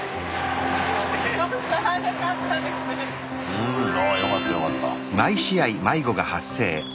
うんああよかったよかった。